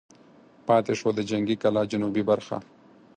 پاتې شوه د جنګي کلا جنوبي برخه.